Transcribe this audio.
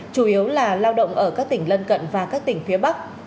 chủ yếu là lao động ở các tỉnh lân cận và các tỉnh phía bắc